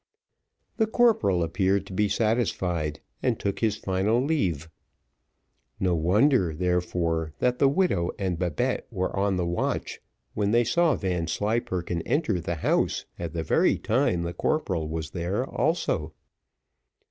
The corporal appeared to be satisfied, and took his final leave. No wonder, therefore, that the widow and Babette were on the watch, when they saw Vanslyperken enter the house, at the very time the corporal was there also.